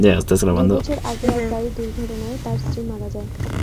দুইবছর আগে এক গাড়ি দুর্ঘটনায় তার স্ত্রী মারা যায়।